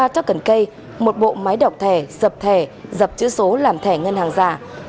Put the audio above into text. một mươi ba chắc cần cây một bộ máy đọc thẻ dập thẻ dập chữ số làm thẻ ngân hàng giả